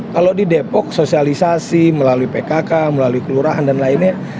kalau di depok sosialisasi melalui pkk melalui kelurahan dan lainnya